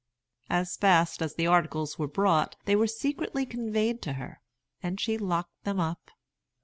As fast as the articles were bought they were secretly conveyed to her, and she locked them up.